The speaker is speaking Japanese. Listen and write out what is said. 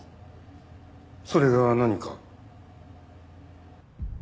それが何か？